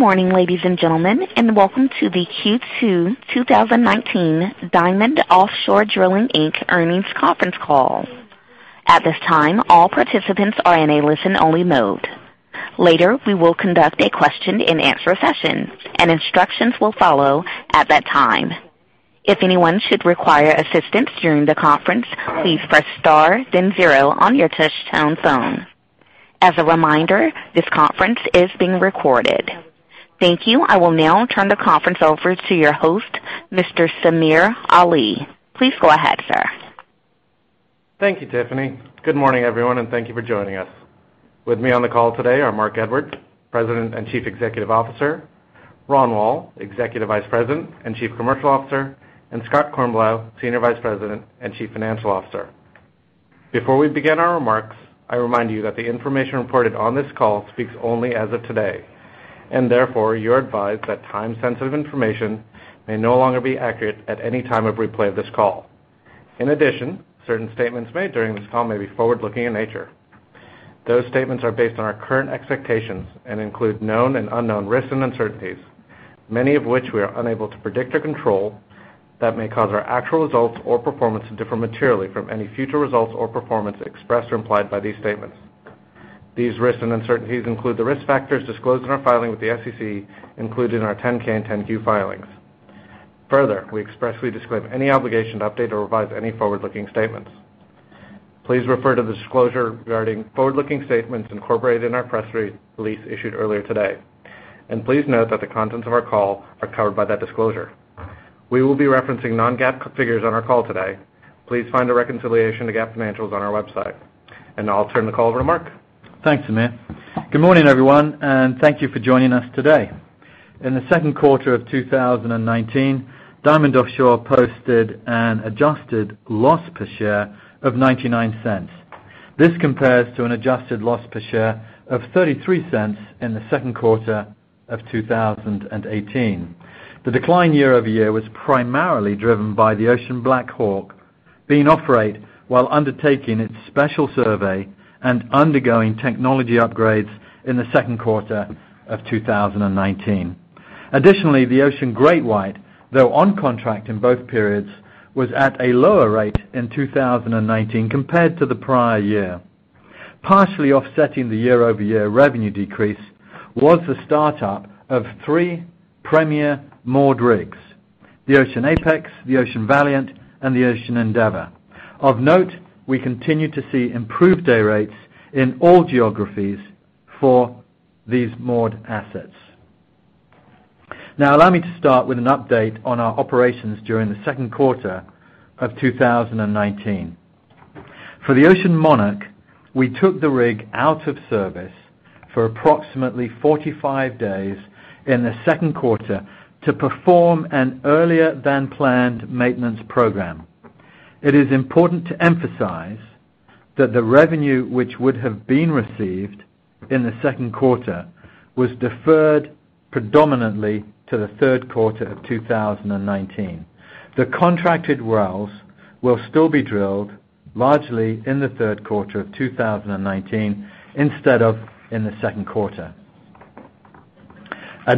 Morning, ladies and gentlemen, and welcome to the Q2 2019 Diamond Offshore Drilling, Inc. earnings conference call. At this time, all participants are in a listen-only mode. Later, we will conduct a question-and-answer session, and instructions will follow at that time. If anyone should require assistance during the conference, please press star then zero on your touchtone phone. As a reminder, this conference is being recorded. Thank you. I will now turn the conference over to your host, Mr. Samir Ali. Please go ahead, sir. Thank you, Tiffany. Good morning, everyone, and thank you for joining us. With me on the call today are Marc Edwards, President and Chief Executive Officer, Ron Woll, Executive Vice President and Chief Commercial Officer, and Scott Kornblau, Senior Vice President and Chief Financial Officer. Before we begin our remarks, I remind you that the information reported on this call speaks only as of today, and therefore you're advised that time-sensitive information may no longer be accurate at any time of replay of this call. In addition, certain statements made during this call may be forward-looking in nature. Those statements are based on our current expectations and include known and unknown risks and uncertainties, many of which we are unable to predict or control, that may cause our actual results or performance to differ materially from any future results or performance expressed or implied by these statements. These risks and uncertainties include the risk factors disclosed in our filing with the SEC included in our 10-K and 10-Q filings. Further, we expressly disclaim any obligation to update or revise any forward-looking statements. Please refer to the disclosure regarding forward-looking statements incorporated in our press release issued earlier today, and please note that the contents of our call are covered by that disclosure. We will be referencing non-GAAP figures on our call today. Please find a reconciliation to GAAP financials on our website. I'll turn the call over to Marc. Thanks, Samir. Good morning, everyone, and thank you for joining us today. In the second quarter of 2019, Diamond Offshore posted an adjusted loss per share of $0.99. This compares to an adjusted loss per share of $0.33 in the second quarter of 2018. The decline year-over-year was primarily driven by the Ocean BlackHawk being off-rate while undertaking its special survey and undergoing technology upgrades in the second quarter of 2019. The Ocean GreatWhite, though on contract in both periods, was at a lower rate in 2019 compared to the prior year. Partially offsetting the year-over-year revenue decrease was the startup of three premier moored rigs, the Ocean Apex, the Ocean Valiant, and the Ocean Endeavor. Of note, we continue to see improved day rates in all geographies for these moored assets. Allow me to start with an update on our operations during the second quarter of 2019. For the Ocean Monarch, we took the rig out of service for approximately 45 days in the second quarter to perform an earlier-than-planned maintenance program. It is important to emphasize that the revenue which would have been received in the second quarter was deferred predominantly to the third quarter of 2019. The contracted wells will still be drilled largely in the third quarter of 2019 instead of in the second quarter.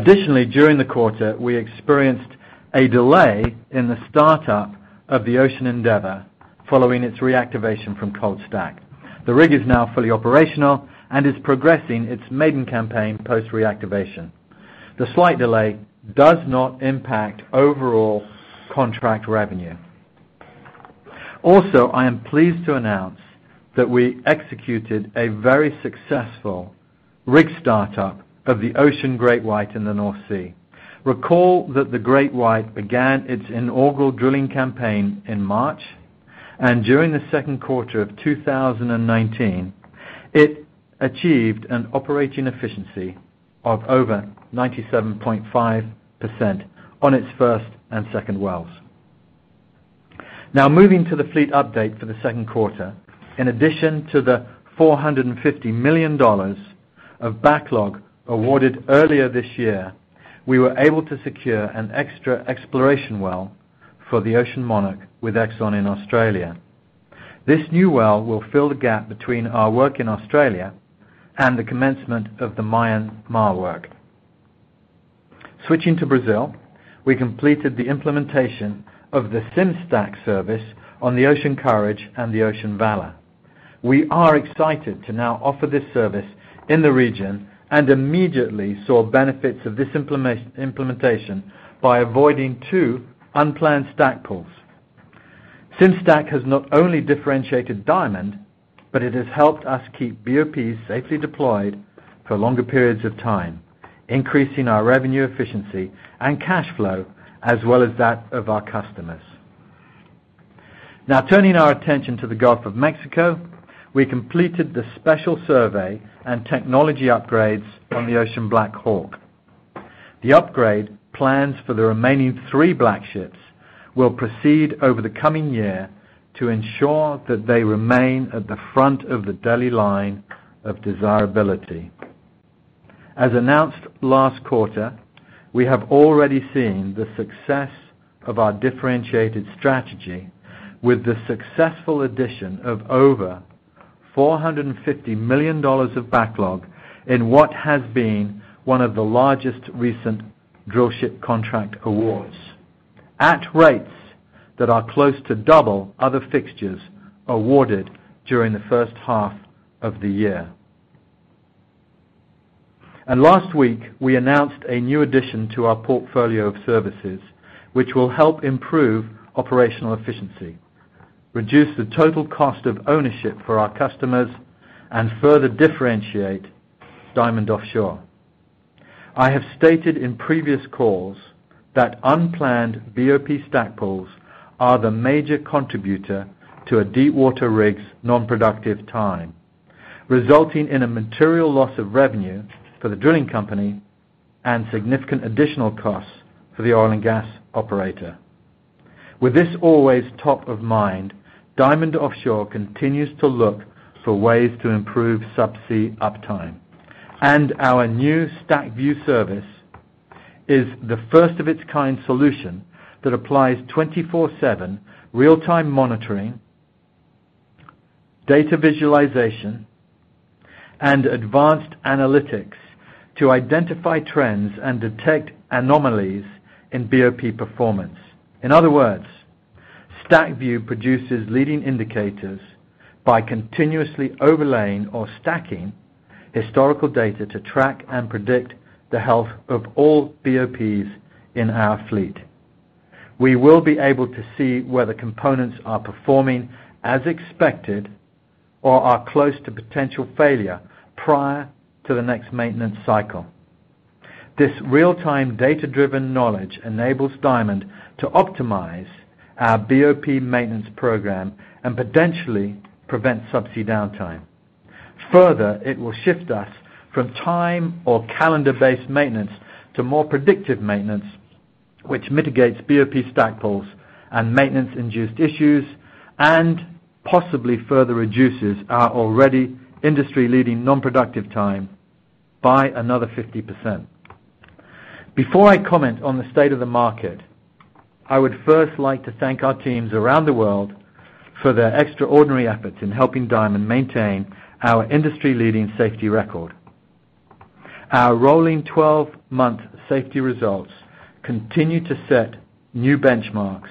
During the quarter, we experienced a delay in the startup of the Ocean Endeavor following its reactivation from cold stack. The rig is now fully operational and is progressing its maiden campaign post-reactivation. The slight delay does not impact overall contract revenue. I am pleased to announce that we executed a very successful rig startup of the Ocean GreatWhite in the North Sea. Recall that the GreatWhite began its inaugural drilling campaign in March, and during the second quarter of 2019, it achieved an operating efficiency of over 97.5% on its first and second wells. Moving to the fleet update for the second quarter. In addition to the $450 million of backlog awarded earlier this year, we were able to secure an extra exploration well for the Ocean Monarch with Exxon in Australia. This new well will fill the gap between our work in Australia and the commencement of the Myanmar work. Switching to Brazil, we completed the implementation of the Sim-Stack service on the Ocean Courage and the Ocean Valor. We are excited to now offer this service in the region and immediately saw benefits of this implementation by avoiding two unplanned stack pulls. Sim-Stack has not only differentiated Diamond, but it has helped us keep BOPs safely deployed for longer periods of time, increasing our revenue efficiency and cash flow as well as that of our customers. Now turning our attention to the Gulf of Mexico, we completed the special survey and technology upgrades on the Ocean BlackHawk. The upgrade plans for the remaining three Black ships will proceed over the coming year to ensure that they remain at the front of the deli line of desirability. As announced last quarter, we have already seen the success of our differentiated strategy with the successful addition of over $450 million of backlog in what has been one of the largest recent drillship contract awards, at rates that are close to double other fixtures awarded during the first half of the year. Last week, we announced a new addition to our portfolio of services, which will help improve operational efficiency, reduce the total cost of ownership for our customers, and further differentiate Diamond Offshore. I have stated in previous calls that unplanned BOP stack pulls are the major contributor to a deepwater rig's non-productive time, resulting in a material loss of revenue for the drilling company and significant additional costs for the oil and gas operator. With this always top of mind, Diamond Offshore continues to look for ways to improve subsea uptime. Our new Stack-View service is the first-of-its-kind solution that applies 24/7 real-time monitoring, data visualization, and advanced analytics to identify trends and detect anomalies in BOP performance. In other words, Stack-View produces leading indicators by continuously overlaying or stacking historical data to track and predict the health of all BOPs in our fleet. We will be able to see whether components are performing as expected or are close to potential failure prior to the next maintenance cycle. This real-time data-driven knowledge enables Diamond to optimize our BOP maintenance program and potentially prevent subsea downtime. It will shift us from time or calendar-based maintenance to more predictive maintenance, which mitigates BOP stack pulls and maintenance-induced issues, and possibly further reduces our already industry-leading non-productive time by another 50%. Before I comment on the state of the market, I would first like to thank our teams around the world for their extraordinary efforts in helping Diamond maintain our industry-leading safety record. Our rolling 12-month safety results continue to set new benchmarks,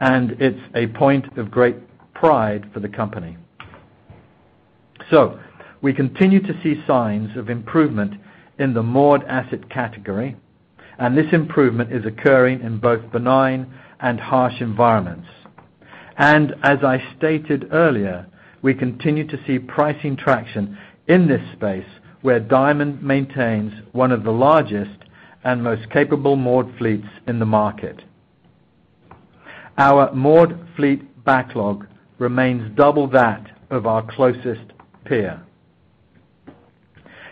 and it's a point of great pride for the company. We continue to see signs of improvement in the moored asset category, and this improvement is occurring in both benign and harsh environments. As I stated earlier, we continue to see pricing traction in this space where Diamond maintains one of the largest and most capable moored fleets in the market. Our moored fleet backlog remains double that of our closest peer.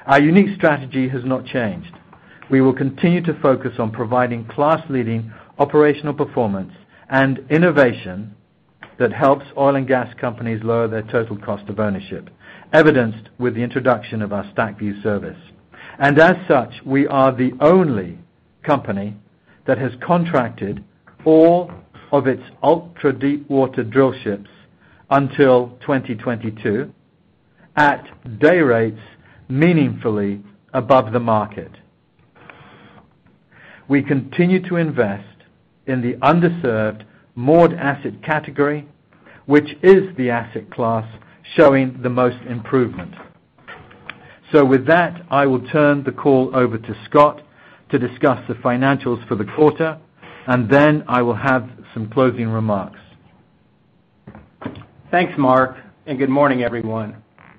Our unique strategy has not changed. We will continue to focus on providing class-leading operational performance and innovation that helps oil and gas companies lower their total cost of ownership, evidenced with the introduction of our Stack-View service. As such, we are the only company that has contracted four of its ultra-deepwater drill ships until 2022 at day rates meaningfully above the market. We continue to invest in the underserved moored asset category, which is the asset class showing the most improvement. With that, I will turn the call over to Scott to discuss the financials for the quarter, and then I will have some closing remarks. Thanks, Marc, good morning, everyone.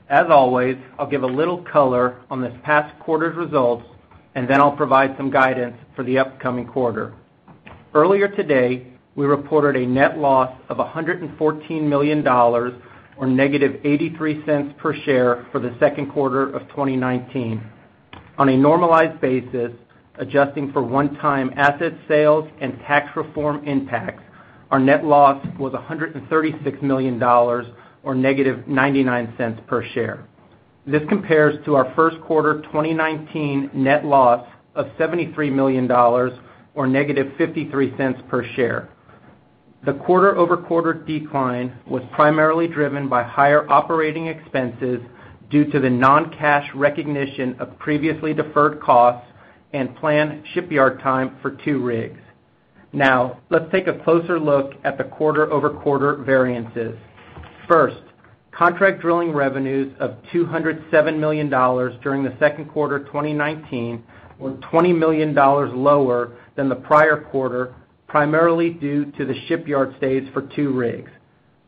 As always, I'll give a little color on this past quarter's results, then I'll provide some guidance for the upcoming quarter. Earlier today, we reported a net loss of $114 million, or -$0.83 per share for the second quarter of 2019. On a normalized basis, adjusting for one-time asset sales and tax reform impacts, our net loss was $136 million, or -$0.99 per share. This compares to our first quarter 2019 net loss of $73 million or -$0.53 per share. The quarter-over-quarter decline was primarily driven by higher operating expenses due to the non-cash recognition of previously deferred costs and planned shipyard time for two rigs. Let's take a closer look at the quarter-over-quarter variances. First, contract drilling revenues of $207 million during the second quarter 2019 were $20 million lower than the prior quarter, primarily due to the shipyard stays for two rigs.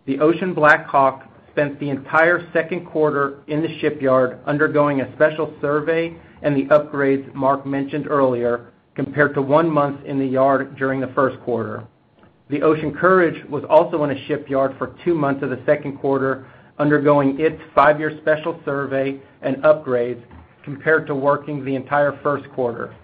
The Ocean BlackHawk spent the entire second quarter in the shipyard undergoing a special survey and the upgrades Marc mentioned earlier, compared to one month in the yard during the first quarter. The Ocean Courage was also in a shipyard for two months of the second quarter, undergoing its five-year special survey and upgrades compared to working the entire first quarter.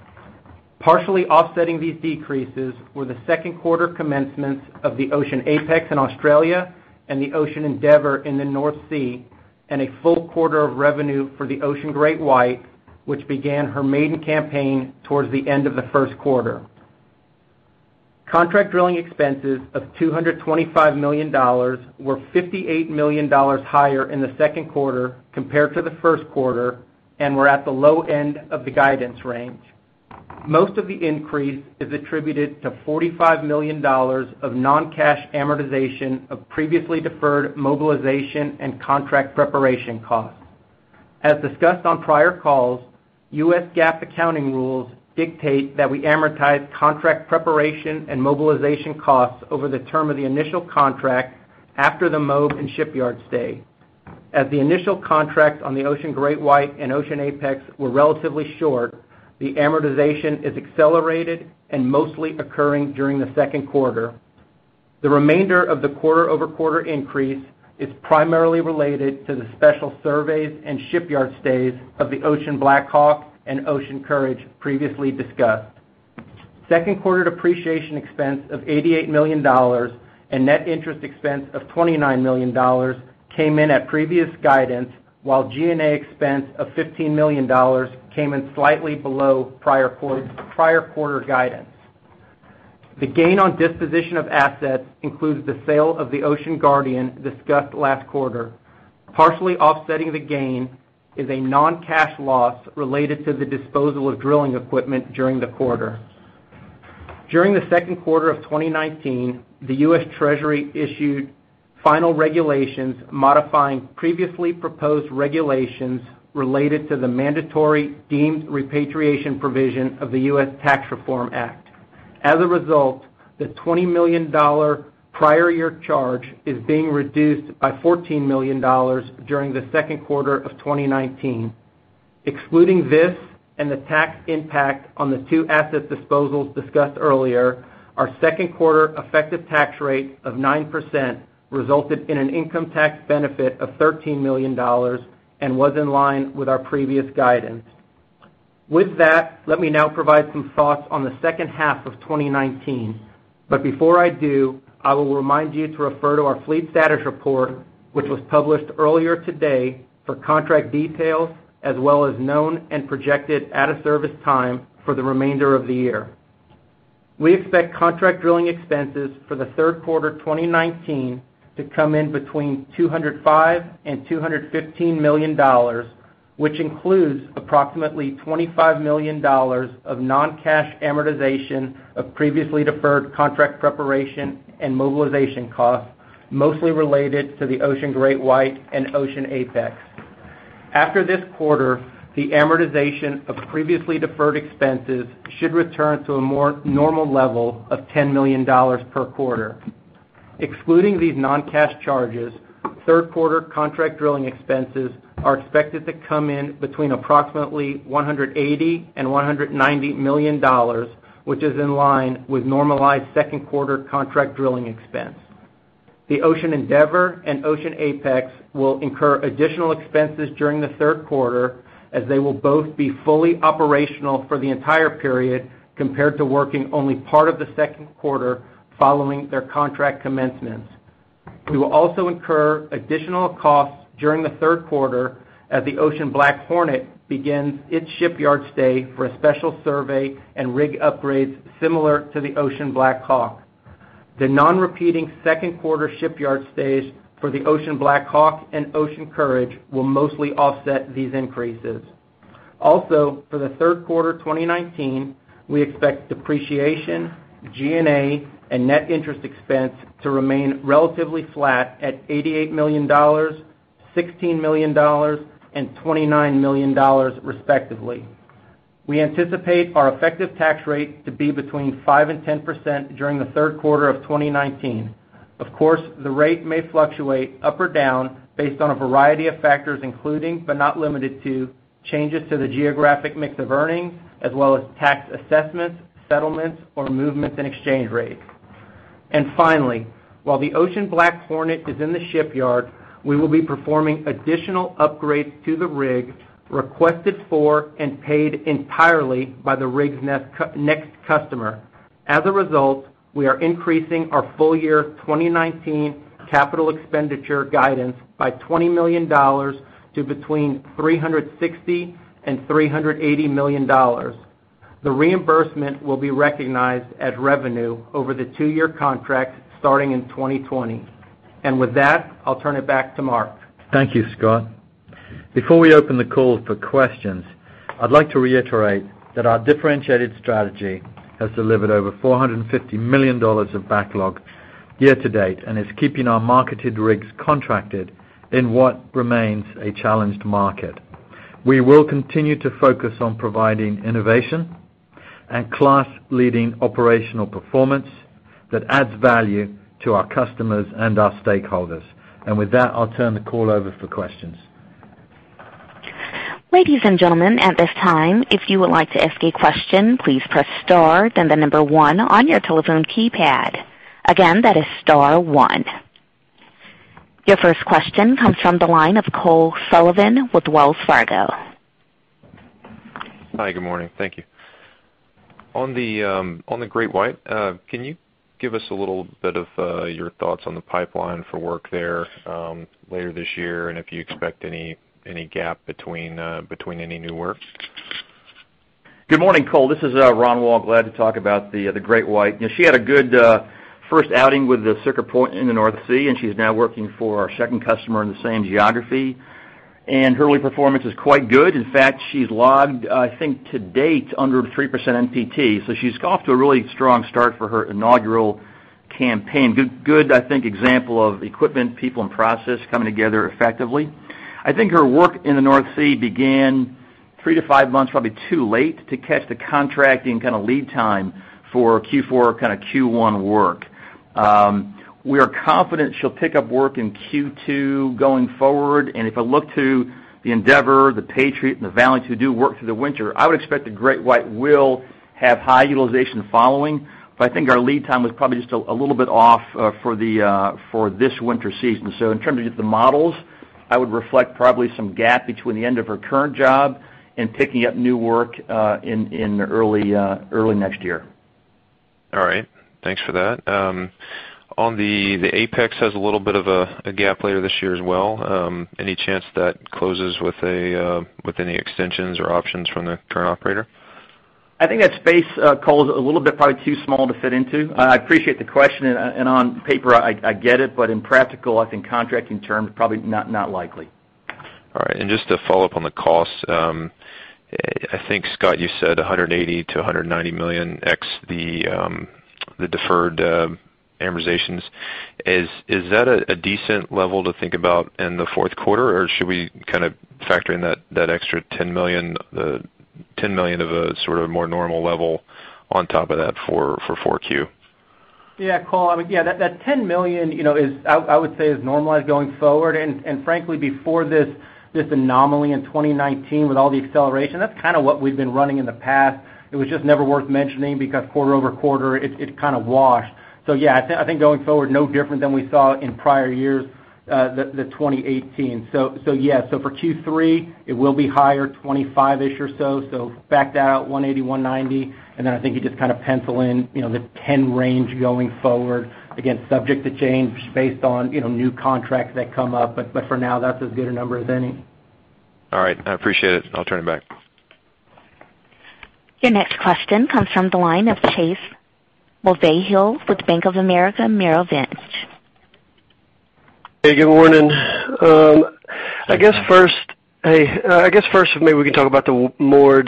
Partially offsetting these decreases were the second quarter commencement of the Ocean Apex in Australia and the Ocean Endeavor in the North Sea, a full quarter of revenue for the Ocean GreatWhite, which began her maiden campaign towards the end of the first quarter. Contract drilling expenses of $225 million were $58 million higher in the second quarter compared to the first quarter, were at the low end of the guidance range. Most of the increase is attributed to $45 million of non-cash amortization of previously deferred mobilization and contract preparation costs. As discussed on prior calls, U.S. GAAP accounting rules dictate that we amortize contract preparation and mobilization costs over the term of the initial contract after the move and shipyard stay. As the initial contract on the Ocean GreatWhite and Ocean Apex were relatively short, the amortization is accelerated and mostly occurring during the second quarter. The remainder of the quarter-over-quarter increase is primarily related to the special surveys and shipyard stays of the Ocean BlackHawk and Ocean Courage previously discussed. Second quarter depreciation expense of $88 million and net interest expense of $29 million came in at previous guidance while G&A expense of $15 million came in slightly below prior quarter guidance. The gain on disposition of assets includes the sale of the Ocean Guardian discussed last quarter. Partially offsetting the gain is a non-cash loss related to the disposal of drilling equipment during the quarter. During the second quarter of 2019, the U.S. Treasury issued final regulations modifying previously proposed regulations related to the mandatory deemed repatriation provision of the U.S. Tax Reform Act. As a result, the $20 million prior year charge is being reduced by $14 million during the second quarter of 2019. Excluding this and the tax impact on the two asset disposals discussed earlier, our second quarter effective tax rate of 9% resulted in an income tax benefit of $13 million and was in line with our previous guidance. With that, let me now provide some thoughts on the second half of 2019. Before I do, I will remind you to refer to our fleet status report, which was published earlier today for contract details, as well as known and projected out-of-service time for the remainder of the year. We expect contract drilling expenses for the third quarter 2019 to come in between $205 million-$215 million, which includes approximately $25 million of non-cash amortization of previously deferred contract preparation and mobilization costs, mostly related to the Ocean GreatWhite and Ocean Apex. After this quarter, the amortization of previously deferred expenses should return to a more normal level of $10 million per quarter. Excluding these non-cash charges, third quarter contract drilling expenses are expected to come in between approximately $180 million and $190 million, which is in line with normalized second-quarter contract drilling expense. The Ocean Endeavor and Ocean Apex will incur additional expenses during the third quarter, as they will both be fully operational for the entire period compared to working only part of the second quarter following their contract commencements. We will also incur additional costs during the third quarter as the Ocean BlackHornet begins its shipyard stay for a special survey and rig upgrades similar to the Ocean BlackHawk. The non-repeating second-quarter shipyard stays for the Ocean BlackHawk and Ocean Courage will mostly offset these increases. For the third quarter 2019, we expect depreciation, G&A, and net interest expense to remain relatively flat at $88 million, $16 million, and $29 million, respectively. We anticipate our effective tax rate to be between 5% and 10% during the third quarter of 2019. Of course, the rate may fluctuate up or down based on a variety of factors, including, but not limited to, changes to the geographic mix of earnings as well as tax assessments, settlements, or movements in exchange rates. Finally, while the Ocean BlackHornet is in the shipyard, we will be performing additional upgrades to the rig requested for and paid entirely by the rig's next customer. As a result, we are increasing our full-year 2019 capital expenditure guidance by $20 million to between $360 million and $380 million. The reimbursement will be recognized as revenue over the two-year contract starting in 2020. With that, I'll turn it back to Marc. Thank you, Scott. Before we open the call for questions, I'd like to reiterate that our differentiated strategy has delivered over $450 million of backlog year to date and is keeping our marketed rigs contracted in what remains a challenged market. We will continue to focus on providing innovation and class-leading operational performance that adds value to our customers and our stakeholders. With that, I'll turn the call over for questions. Ladies and gentlemen, at this time, if you would like to ask a question, please press star then the number 1 on your telephone keypad. Again, that is star 1. Your first question comes from the line of Cole Sullivan with Wells Fargo. Hi, good morning. Thank you. On the GreatWhite, can you give us a little bit of your thoughts on the pipeline for work there later this year, and if you expect any gap between any new work? Good morning, Cole. This is Ron Woll. Glad to talk about the GreatWhite. She had a good first outing with the Siccar Point in the North Sea, and she's now working for our second customer in the same geography. Her early performance is quite good. In fact, she's logged, I think today, under 3% NPT. She's got off to a really strong start for her inaugural campaign. Good example of equipment, people, and process coming together effectively. I think her work in the North Sea began 3-5 months, probably too late to catch the contracting kind of lead time for Q4 or Q1 work. We are confident she'll pick up work in Q2 going forward, and if I look to the Endeavor, the Patriot, and the Valiant who do work through the winter, I would expect the GreatWhite will have high utilization following. I think our lead time was probably just a little bit off for this winter season. In terms of the models, I would reflect probably some gap between the end of her current job and picking up new work in early next year. All right. Thanks for that. On the Apex, has a little bit of a gap later this year as well. Any chance that closes with any extensions or options from the current operator? I think that space, Cole, is a little bit probably too small to fit into. I appreciate the question, and on paper, I get it, but in practical, I think contracting terms, probably not likely. All right. Just to follow up on the cost. I think, Scott, you said $180 million-$190 million x the deferred amortizations. Is that a decent level to think about in the fourth quarter, or should we kind of factor in that extra $10 million of a sort of more normal level on top of that for 4Q? Yeah, Cole. That $10 million, I would say is normalized going forward. Frankly, before this anomaly in 2019 with all the acceleration, that's kind of what we've been running in the past. It was just never worth mentioning because quarter-over-quarter, it's kind of washed. Yeah, I think going forward, no different than we saw in prior years, the 2018. Yes. For Q3, it will be higher, $25-ish or so. Back that out $180, $190, then I think you just kind of pencil in, the 10 range going forward. Again, subject to change based on new contracts that come up. For now, that's as good a number as any. All right. I appreciate it. I'll turn it back. Your next question comes from the line of Chase Mulvehill with Bank of America Merrill Lynch. Hey, good morning. I guess first, maybe we can talk about the moored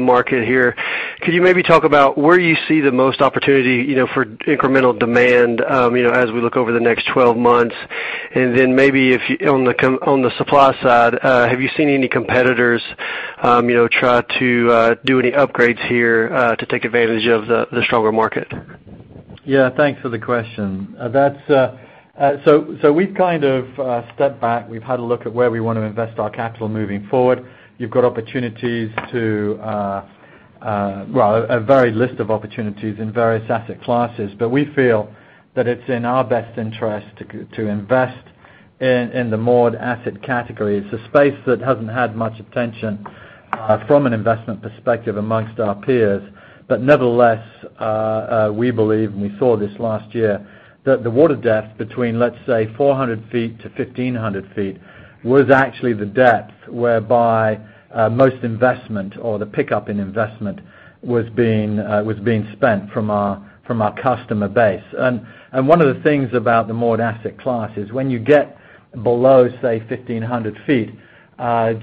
market here. Could you maybe talk about where you see the most opportunity for incremental demand as we look over the next 12 months? Then maybe on the supply side, have you seen any competitors try to do any upgrades here to take advantage of the stronger market? Yeah, thanks for the question. We've kind of stepped back. We've had a look at where we want to invest our capital moving forward. You've got a varied list of opportunities in various asset classes, we feel that it's in our best interest to invest in the moored asset category. It's a space that hasn't had much attention from an investment perspective amongst our peers. Nevertheless, we believe, and we saw this last year, that the water depth between, let's say, 400 feet-1,500 feet, was actually the depth whereby most investment or the pickup in investment was being spent from our customer base. One of the things about the moored asset class is when you get below, say, 1,500 feet,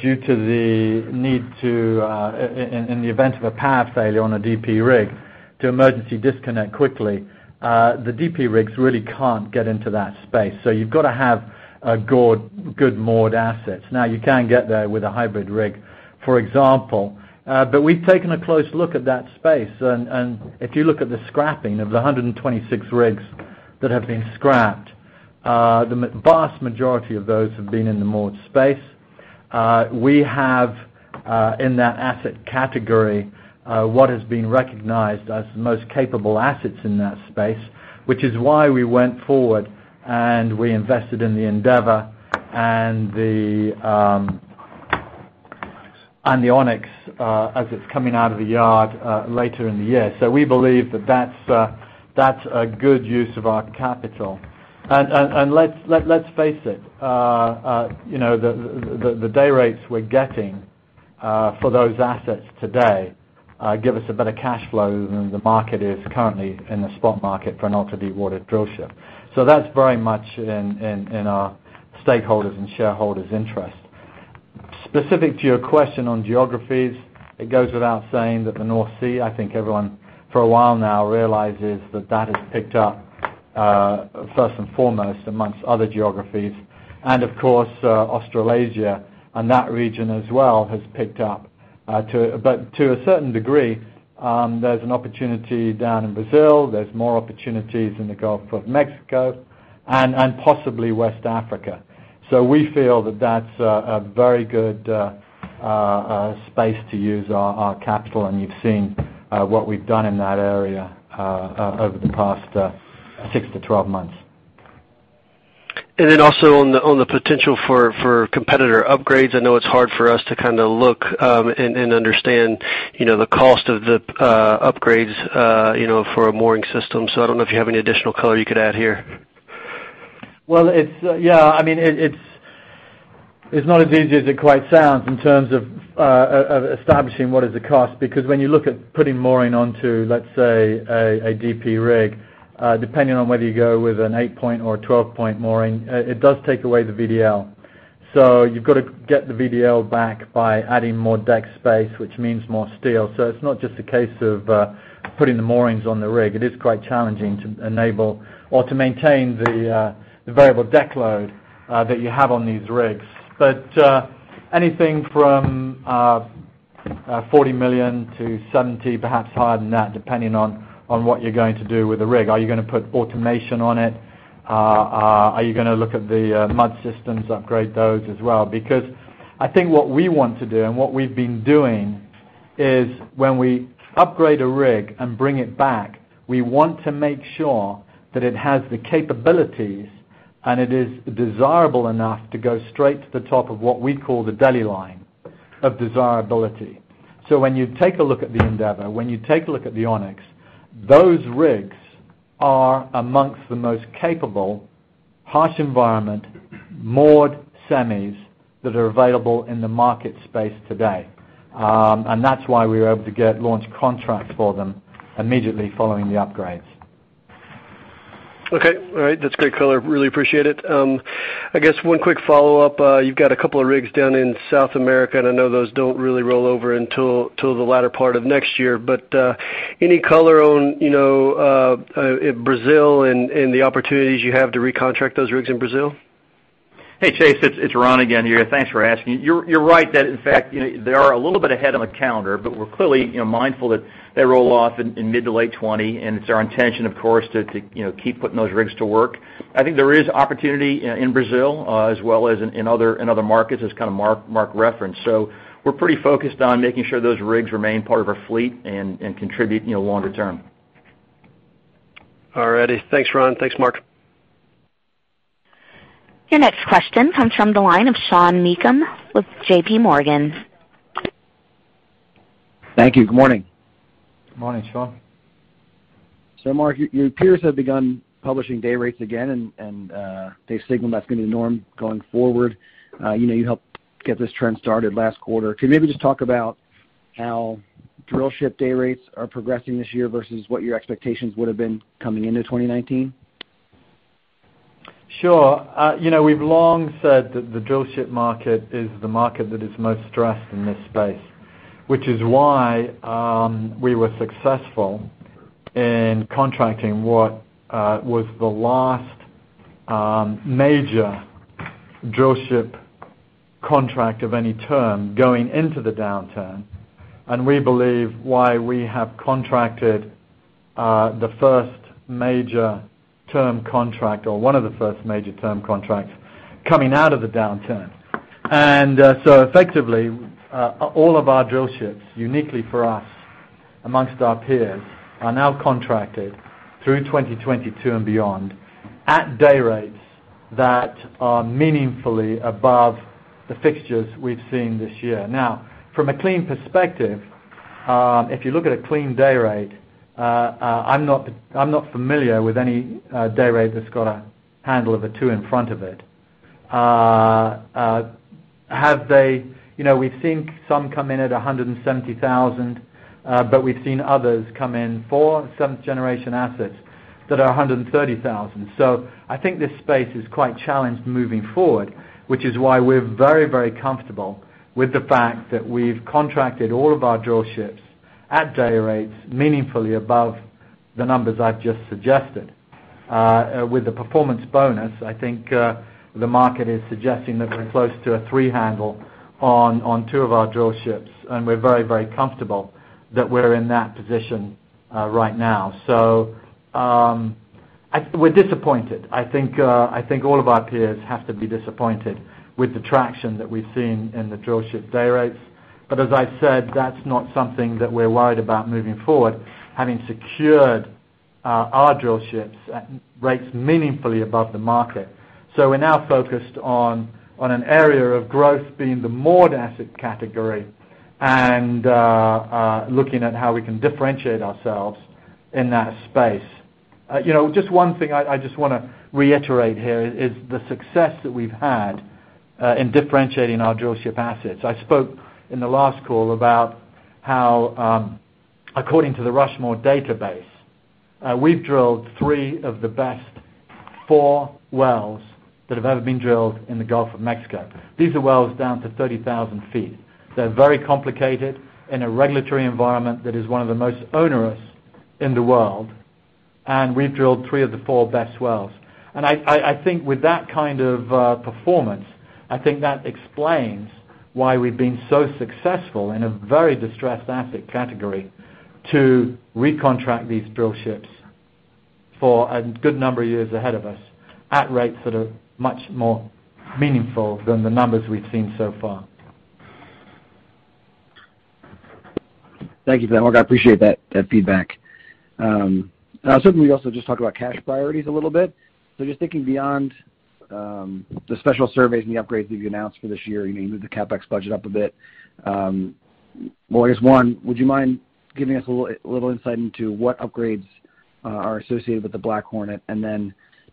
due to the need in the event of a power failure on a DP rig, to emergency disconnect quickly, the DP rigs really can't get into that space. You've got to have a good moored asset. Now you can get there with a hybrid rig, for example. We've taken a close look at that space, and if you look at the scrapping of the 126 rigs that have been scrapped, the vast majority of those have been in the moored space. We have, in that asset category, what has been recognized as the most capable assets in that space, which is why we went forward, and we invested in the Ocean Endeavor and the Ocean Onyx, as it's coming out of the yard later in the year. We believe that that's a good use of our capital. Let's face it. The day rates we're getting for those assets today give us a better cash flow than the market is currently in the spot market for an ultra-deepwater drillship. That's very much in our stakeholders' and shareholders' interest. Specific to your question on geographies, it goes without saying that the North Sea, I think everyone for a while now realizes that that has picked up, first and foremost amongst other geographies. Of course, Australasia and that region as well has picked up. To a certain degree, there's an opportunity down in Brazil. There's more opportunities in the Gulf of Mexico and possibly West Africa. We feel that that's a very good space to use our capital, and you've seen what we've done in that area over the past six to 12 months. Also on the potential for competitor upgrades. I know it's hard for us to kind of look and understand the cost of the upgrades for a mooring system. I don't know if you have any additional color you could add here. It's not as easy as it quite sounds in terms of establishing what is the cost. When you look at putting mooring onto, let's say, a DP rig, depending on whether you go with an 8-point or a 12-point mooring, it does take away the VDL. You've got to get the VDL back by adding more deck space, which means more steel. It's not just a case of putting the moorings on the rig. It is quite challenging to enable or to maintain the variable deck load that you have on these rigs. Anything from $40 million to $70 million, perhaps higher than that, depending on what you're going to do with the rig. Are you going to put automation on it? Are you going to look at the mud systems, upgrade those as well? I think what we want to do and what we've been doing is when we upgrade a rig and bring it back, we want to make sure that it has the capabilities, and it is desirable enough to go straight to the top of what we call the deli line of desirability. When you take a look at the Endeavor, when you take a look at the Onyx, those rigs are amongst the most capable, harsh environment, moored semis that are available in the market space today. That's why we were able to get launch contracts for them immediately following the upgrades. Okay. All right. That's great color. Really appreciate it. I guess one quick follow-up. You've got a couple of rigs down in South America, and I know those don't really roll over until the latter part of next year, but any color on Brazil and the opportunities you have to recontract those rigs in Brazil? Hey, Chase, it's Ron again here. Thanks for asking. You're right that in fact, they are a little bit ahead on the calendar, but we're clearly mindful that they roll off in mid to late 2020, and it's our intention, of course, to keep putting those rigs to work. I think there is opportunity in Brazil as well as in other markets as Marc referenced. We're pretty focused on making sure those rigs remain part of our fleet and contribute longer term. All righty. Thanks, Ron. Thanks, Marc. Your next question comes from the line of Sean Meakim with JPMorgan. Thank you. Good morning. Good morning, Sean. Marc, your peers have begun publishing day rates again, and they've signaled that's going to be the norm going forward. You helped get this trend started last quarter. Could you maybe just talk about how drill ship day rates are progressing this year versus what your expectations would have been coming into 2019? Sure. We've long said that the drill ship market is the market that is most stressed in this space, which is why we were successful in contracting what was the last major drill ship contract of any term going into the downturn, and we believe why we have contracted the first major term contract or one of the first major term contracts coming out of the downturn. Effectively, all of our drill ships, uniquely for us amongst our peers, are now contracted through 2022 and beyond at day rates that are meaningfully above the fixtures we've seen this year. Now, from a clean perspective, if you look at a clean day rate, I'm not familiar with any day rate that's got a handle of a two in front of it. We've seen some come in at $170,000, but we've seen others come in for some generation assets that are $130,000. I think this space is quite challenged moving forward, which is why we're very comfortable with the fact that we've contracted all of our drillships at day rates meaningfully above the numbers I've just suggested. With the performance bonus, I think, the market is suggesting that we're close to a 3 handle on two of our drillships, and we're very comfortable that we're in that position right now. We're disappointed. I think all of our peers have to be disappointed with the traction that we've seen in the drillship day rates. As I said, that's not something that we're worried about moving forward, having secured our drillships at rates meaningfully above the market. We're now focused on an area of growth being the moored asset category and looking at how we can differentiate ourselves in that space. Just one thing I just want to reiterate here is the success that we've had in differentiating our drill ship assets. I spoke in the last call about how, according to the Rushmore Reviews, we've drilled three of the best four wells that have ever been drilled in the Gulf of Mexico. These are wells down to 30,000 feet. They're very complicated in a regulatory environment that is one of the most onerous in the world, and we've drilled three of the four best wells. I think with that kind of performance, I think that explains why we've been so successful in a very distressed asset category to recontract these drill ships for a good number of years ahead of us at rates that are much more meaningful than the numbers we've seen so far. Thank you for that, Marc. I appreciate that feedback. Certainly also just talk about cash priorities a little bit. Just thinking beyond the special surveys and the upgrades that you've announced for this year, you may move the CapEx budget up a bit. Well, I guess one, giving us a little insight into what upgrades are associated with the Black Hornet.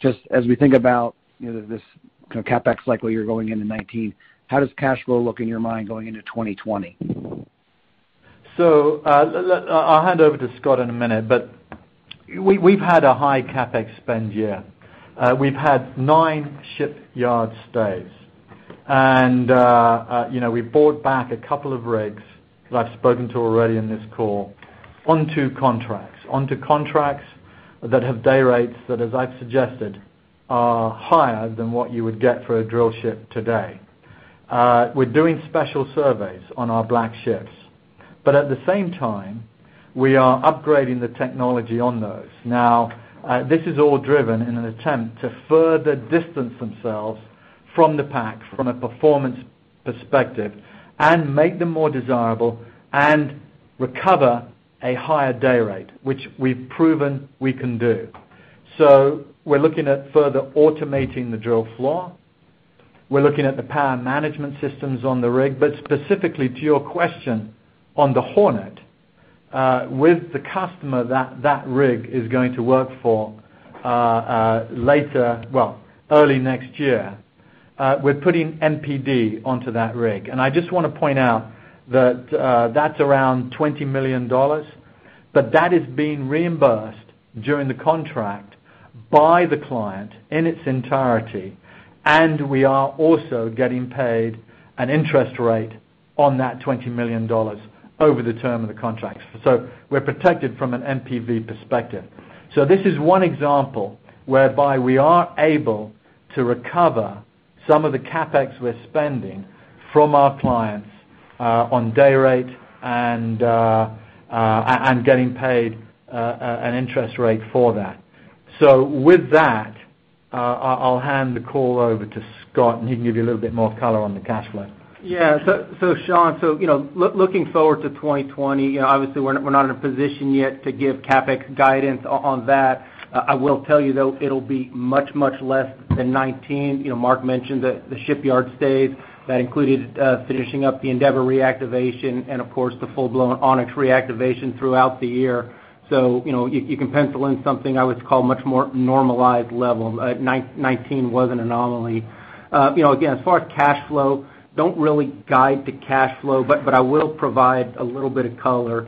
Just as we think about this kind of CapEx cycle you're going into 2019, how does cash flow look in your mind going into 2020? I'll hand over to Scott in a minute, but we've had a high CapEx spend year. We've had nine shipyard stays and we've bought back a couple of rigs that I've spoken to already in this call, onto contracts that have day rates that as I've suggested, are higher than what you would get for a drill ship today. We're doing special surveys on our Black ships, but at the same time, we are upgrading the technology on those. This is all driven in an attempt to further distance themselves from the pack from a performance perspective and make them more desirable and recover a higher day rate, which we've proven we can do. We're looking at further automating the drill floor. We're looking at the power management systems on the rig. Specifically to your question on the Hornet, with the customer that rig is going to work for later, well, early next year, we're putting MPD onto that rig. I just want to point out that's around $20 million. That is being reimbursed during the contract by the client in its entirety. We are also getting paid an interest rate on that $20 million over the term of the contract. We're protected from an NPV perspective. This is one example whereby we are able to recover some of the CapEx we're spending from our clients on day rate and getting paid an interest rate for that. With that, I'll hand the call over to Scott and he can give you a little bit more color on the cash flow. Sean, looking forward to 2020, obviously we're not in a position yet to give CapEx guidance on that. I will tell you though, it'll be much, much less than 2019. Marc mentioned that the shipyard stays, that included finishing up the Ocean Endeavor reactivation and of course the full-blown Ocean Onyx reactivation throughout the year. You can pencil in something I would call much more normalized level. 2019 was an anomaly. As far as cash flow, don't really guide to cash flow, but I will provide a little bit of color.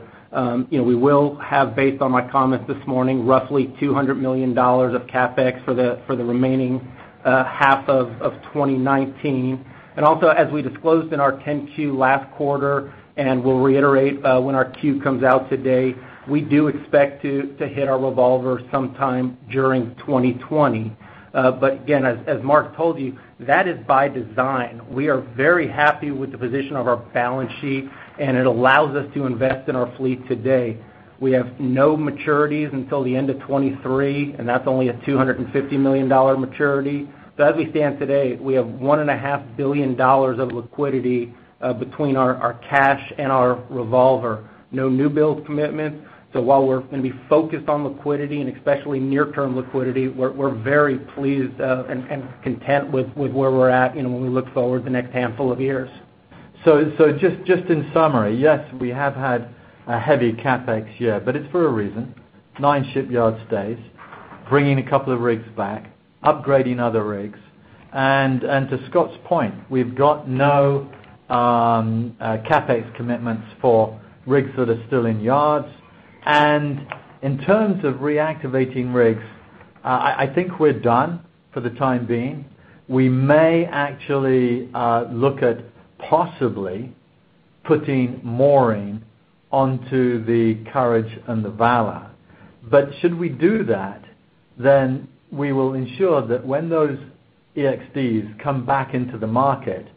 We will have, based on my comments this morning, roughly $200 million of CapEx for the remaining half of 2019. As we disclosed in our 10-Q last quarter, and we'll reiterate when our Q comes out today, we do expect to hit our revolver sometime during 2020. Again, as Marc told you, that is by design. We are very happy with the position of our balance sheet, and it allows us to invest in our fleet today. We have no maturities until the end of 2023, and that's only a $250 million maturity. As we stand today, we have $1.5 billion of liquidity between our cash and our revolver. No new build commitments. While we're going to be focused on liquidity and especially near-term liquidity, we're very pleased and content with where we're at when we look forward the next handful of years. Just in summary, yes, we have had a heavy CapEx year, but it's for a reason. Nine shipyard stays, bringing a couple of rigs back, upgrading other rigs. To Scott's point, we've got no CapEx commitments for rigs that are still in yards. In terms of reactivating rigs, I think we're done for the time being. We may actually look at possibly putting mooring onto the Courage and the Valor. Should we do that, then we will ensure that when those ExDs come back into the market,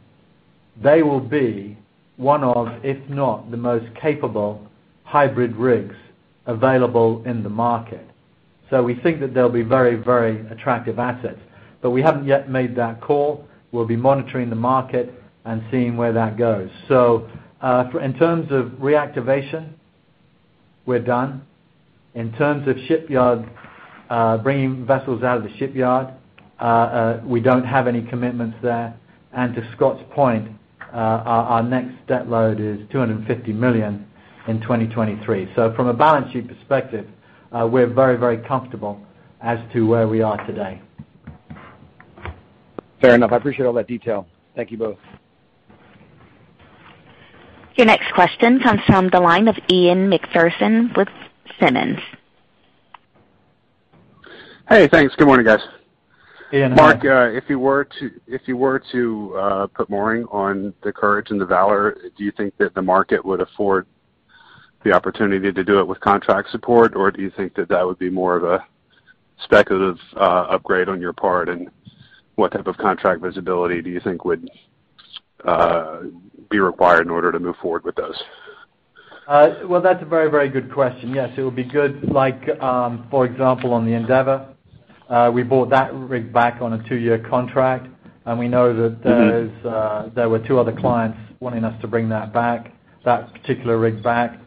they will be one of, if not the most capable hybrid rigs available in the market. We think that they'll be very, very attractive assets, but we haven't yet made that call. We'll be monitoring the market and seeing where that goes. In terms of reactivation, we're done. In terms of shipyard, bringing vessels out of the shipyard, we don't have any commitments there. To Scott's point, our next debt load is $250 million in 2023. From a balance sheet perspective, we're very, very comfortable as to where we are today. Fair enough. I appreciate all that detail. Thank you both. Your next question comes from the line of Ian Macpherson with Simmons. Hey, thanks. Good morning, guys. Ian, how are you? Marc, if you were to put mooring on the Courage and the Valor, do you think that the market would afford the opportunity to do it with contract support? Or do you think that that would be more of a speculative upgrade on your part? What type of contract visibility do you think would be required in order to move forward with those? Well, that's a very, very good question. Yes, it would be good like, for example, on the Endeavor, we bought that rig back on a two-year contract, and we know that there were two other clients wanting us to bring that particular rig back.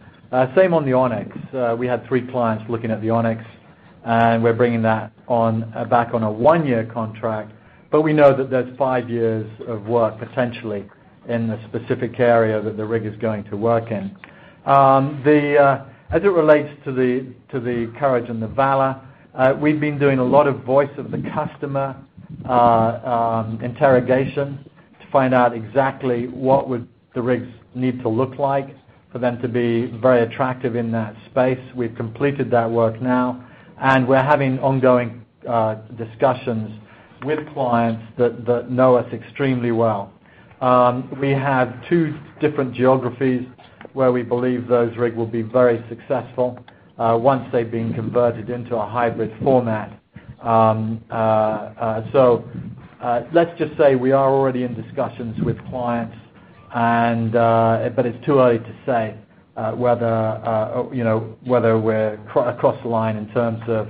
Same on the Onyx. We had three clients looking at the Onyx. We're bringing that back on a one-year contract. We know that there's five years of work potentially in the specific area that the rig is going to work in. As it relates to the Courage and the Valor, we've been doing a lot of voice-of-the-customer interrogation to find out exactly what would the rigs need to look like for them to be very attractive in that space. We've completed that work now, and we're having ongoing discussions with clients that know us extremely well. We have two different geographies where we believe those rigs will be very successful once they've been converted into a hybrid format. Let's just say we are already in discussions with clients, but it's too early to say whether we're across the line in terms of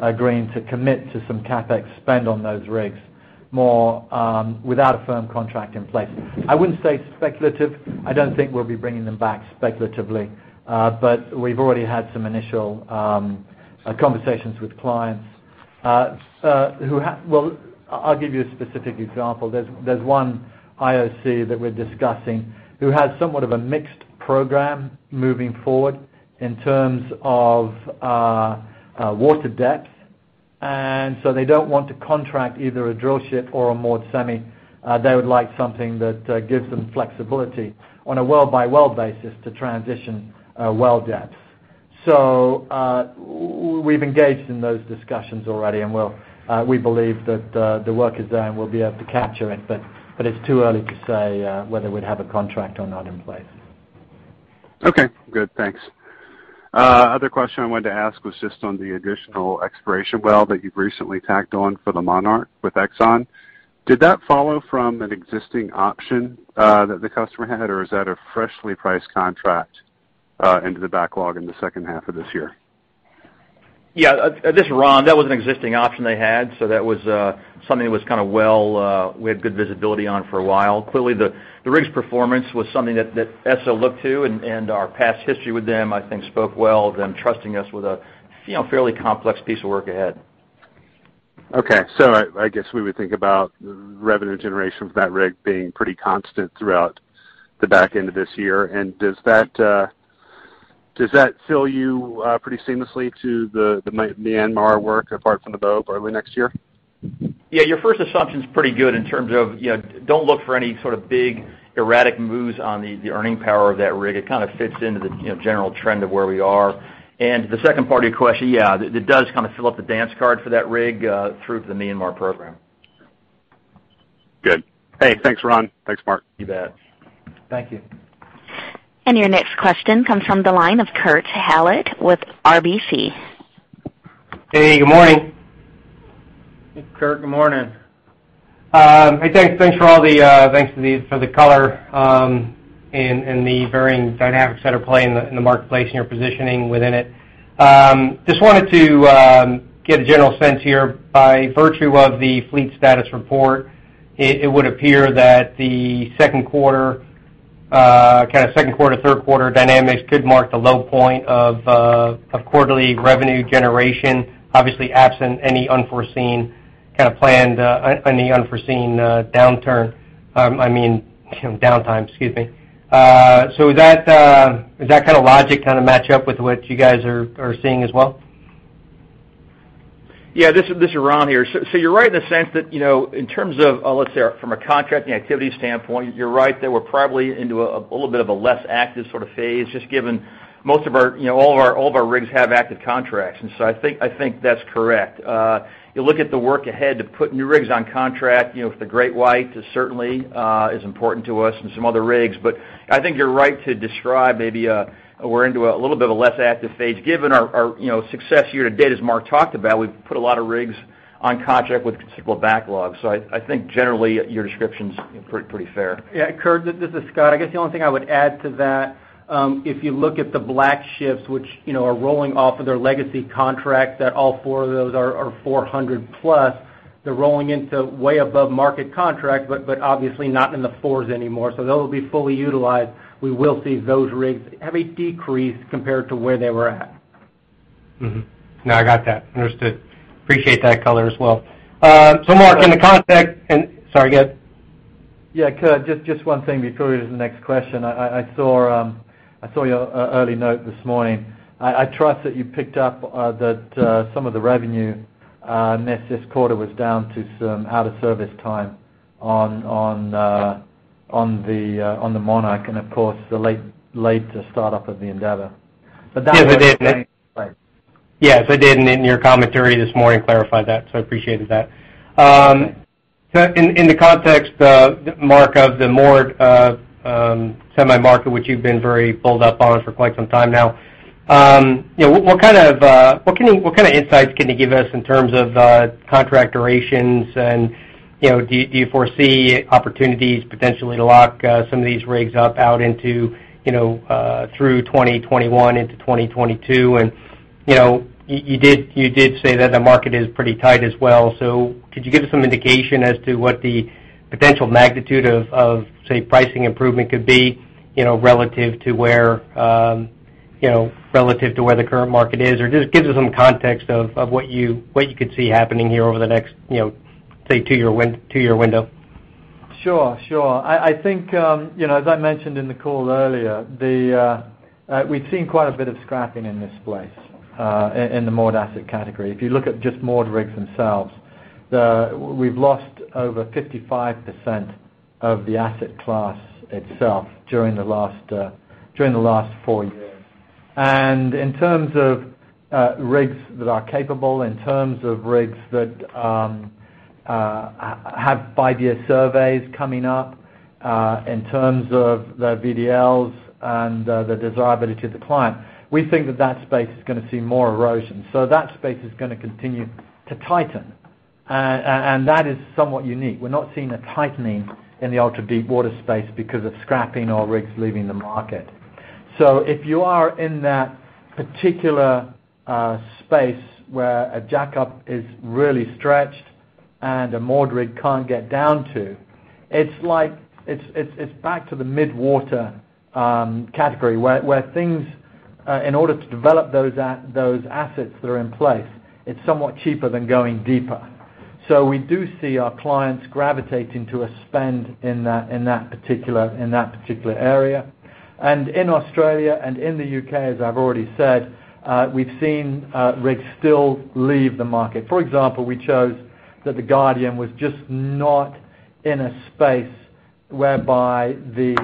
agreeing to commit to some CapEx spend on those rigs without a firm contract in place. I wouldn't say speculative. I don't think we'll be bringing them back speculatively. We've already had some initial conversations with clients. Well, I'll give you a specific example. There's one IOC that we're discussing who has somewhat of a mixed program moving forward in terms of water depth. They don't want to contract either a drill ship or a moored semi. They would like something that gives them flexibility on a well-by-well basis to transition well depths. We've engaged in those discussions already, and we believe that the work is there, and we'll be able to capture it, but it's too early to say whether we'd have a contract or not in place. Okay, good. Thanks. Other question I wanted to ask was just on the additional exploration well that you've recently tacked on for the Monarch with ExxonMobil. Did that follow from an existing option, that the customer had, or is that a freshly priced contract into the backlog in the second half of this year? Yeah. This is Ron. That was an existing option they had. That was something that we had good visibility on for a while. Clearly, the rig's performance was something that Exxon looked to, and our past history with them, I think, spoke well of them trusting us with a fairly complex piece of work ahead. I guess we would think about revenue generation from that rig being pretty constant throughout the back end of this year. Does that fill you pretty seamlessly to the Myanmar work apart from the mob early next year? Yeah, your first assumption's pretty good in terms of don't look for any sort of big erratic moves on the earning power of that rig. It kind of fits into the general trend of where we are. The second part of your question, yeah, it does kind of fill up the dance card for that rig, through to the Myanmar program. Good. Hey, thanks, Ron. Thanks, Marc. You bet. Thank you. Your next question comes from the line of Kurt Hallead with RBC. Hey, good morning. Kurt, good morning. Hey, thanks for the color, and the varying dynamics that are playing in the marketplace and your positioning within it. Just wanted to get a general sense here. By virtue of the fleet status report, it would appear that the second quarter, third quarter dynamics could mark the low point of quarterly revenue generation, obviously absent any unforeseen downturn. I mean, downtime, excuse me. Does that kind of logic match up with what you guys are seeing as well? Yeah, this is Ron here. You're right in the sense that in terms of, let's say from a contracting activity standpoint, you're right that we're probably into a little bit of a less active sort of phase, just given all of our rigs have active contracts. I think that's correct. You look at the work ahead to put new rigs on contract, with the GreatWhite, certainly is important to us and some other rigs. I think you're right to describe maybe we're into a little bit of a less active phase given our success year to date, as Marc talked about. We've put a lot of rigs on contract with considerable backlogs. I think generally your description's pretty fair. Yeah, Kurt, this is Scott. I guess the only thing I would add to that, if you look at the Black ships, which are rolling off of their legacy contract, that all four of those are 400-plus. Obviously not in the fours anymore. Those will be fully utilized. We will see those rigs have a decrease compared to where they were at. No, I got that. Understood. Appreciate that color as well. Marc, Sorry, go ahead. Yeah, Kurt, just one thing before you get to the next question. I saw your early note this morning. I trust that you picked up that some of the revenue net this quarter was down to some out-of-service time on the Monarch and of course, the late start-up of the Endeavor. Yes, I did. Right. Yes, I did, and in your commentary this morning clarified that, so appreciated that. Okay. In the context, Marc, of the moored semi market, which you've been very bulled up on for quite some time now, what kind of insights can you give us in terms of contract durations, and do you foresee opportunities potentially to lock some of these rigs up out through 2021 into 2022? You did say that the market is pretty tight as well. Could you give us some indication as to what the potential magnitude of, say, pricing improvement could be relative to where the current market is? Or just give us some context of what you could see happening here over the next, say, two-year window. Sure. I think, as I mentioned in the call earlier, we've seen quite a bit of scrapping in this place, in the moored asset category. If you look at just moored rigs themselves, we've lost over 55% of the asset class itself during the last four years. In terms of rigs that are capable, in terms of rigs that have five-year surveys coming up, in terms of their VDLs and the desirability to the client, we think that that space is going to see more erosion. That space is going to continue to tighten. That is somewhat unique. We're not seeing a tightening in the ultra-deepwater space because of scrapping or rigs leaving the market. If you are in that particular space where a jackup is really stretched and a moored rig can't get down to, it's back to the mid-water category, where things, in order to develop those assets that are in place, it's somewhat cheaper than going deeper. In Australia and in the U.K., as I've already said, we've seen rigs still leave the market. For example, we chose that Ocean Guardian was just not in a space whereby the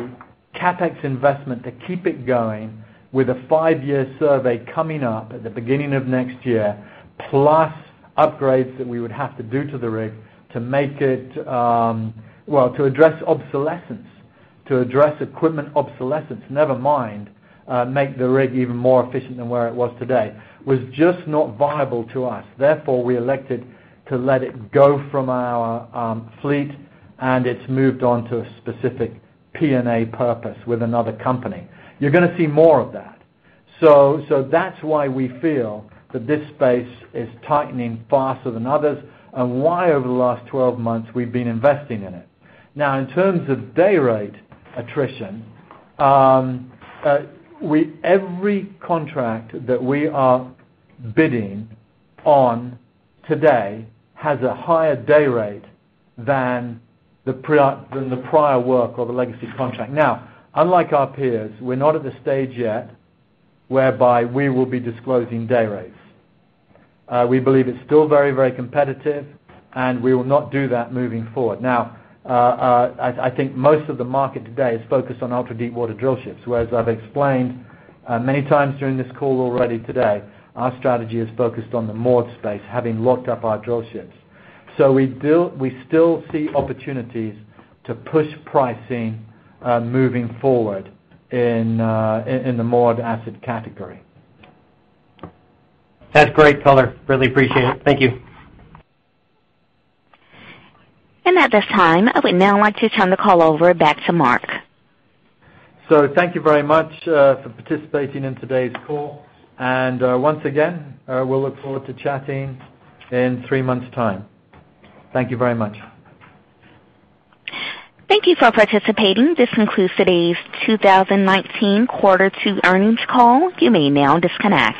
CapEx investment to keep it going with a special survey coming up at the beginning of next year, plus upgrades that we would have to do to the rig to address equipment obsolescence, never mind make the rig even more efficient than where it was today, was just not viable to us. Therefore, we elected to let it go from our fleet, and it's moved on to a specific P&A purpose with another company. You're going to see more of that. That's why we feel that this space is tightening faster than others and why over the last 12 months we've been investing in it. In terms of day rate attrition, every contract that we are bidding on today has a higher day rate than the prior work or the legacy contract. Unlike our peers, we're not at the stage yet whereby we will be disclosing day rates. We believe it's still very competitive, and we will not do that moving forward. I think most of the market today is focused on ultra-deepwater drill ships, whereas I've explained many times during this call already today, our strategy is focused on the moored space, having locked up our drill ships. We still see opportunities to push pricing moving forward in the moored asset category. That's great color. Really appreciate it. Thank you. At this time, I would now like to turn the call over back to Marc. Thank you very much for participating in today's call. Once again, we'll look forward to chatting in three months' time. Thank you very much. Thank you for participating. This concludes today's 2019 quarter two earnings call. You may now disconnect.